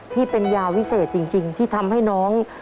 ที่เป็นยาวิเศษจริงที่ทำให้น้อง